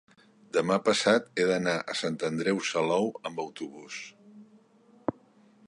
demà passat he d'anar a Sant Andreu Salou amb autobús.